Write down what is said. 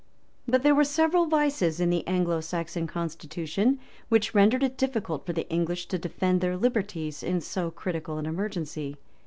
But there were several vices in the Anglo Saxon constitution, which rendered it difficult for the English to defend their liberties in so critical an emergency.